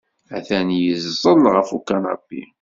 Atan yeẓẓel ɣef ukanapi.